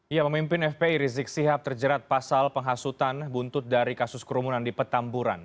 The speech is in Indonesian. ya pemimpin fpi rizik sihab terjerat pasal penghasutan buntut dari kasus kerumunan di petamburan